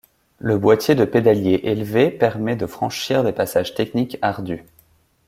Le boitier de pédalier élevé permet de franchir des passages techniques ardus.